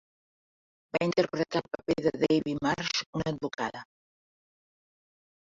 Va interpretar el paper de Debby Marsh, una advocada.